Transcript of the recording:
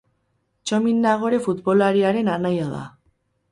Txomin Nagore futbolariaren anaia da.